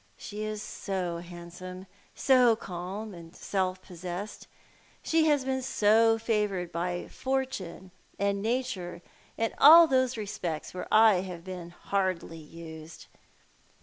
She is so handsome, so calm and self possessed ; she has been so favoured by Fortune and Nature in all those respects where I have been hardly used.